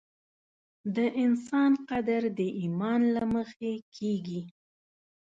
د انسان قدر د ایمان له مخې کېږي.